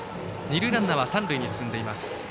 二塁ランナーは三塁に進んでいます。